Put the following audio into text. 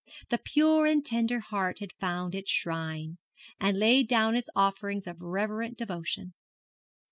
The pure and tender heart had found its shrine, and laid down its offering of reverent devotion.